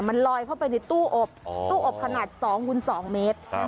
มันลอยเข้าไปในตู้อบตู้อบขนาด๒คูณ๒๒เมตร